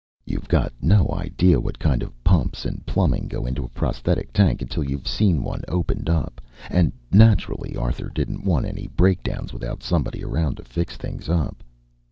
You've got no idea what kind of pumps and plumbing go into a prosthetic tank until you've seen one opened up. And, naturally, Arthur didn't want any breakdowns without somebody around to fix things up.